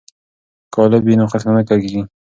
که قالب وي نو خښته نه کږیږي.